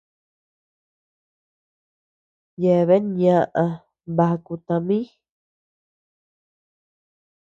Yeabean ñaʼa baku tami.